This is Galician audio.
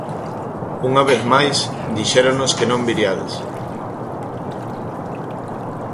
Unha vez máis, dixéronnos que non viriades.